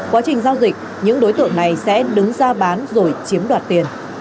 quá trình giao dịch những đối tượng này sẽ đứng ra bán rồi chiếm đoạt tiền